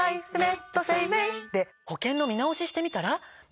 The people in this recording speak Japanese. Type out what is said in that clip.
で保険の見直ししてみたら？